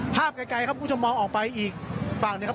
ภาพไกลไกลครับคุณผู้ชมมองออกไปอีกฝั่งเนี้ยครับ